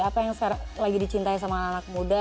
apa yang sekarang lagi dicintai sama anak anak muda